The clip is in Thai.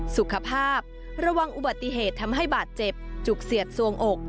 สุขภาพระวังอุบัติเหตุทำให้บาดเจ็บจุกเสียดสวงอก